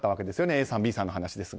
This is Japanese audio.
Ａさん、Ｂさんの話ですが。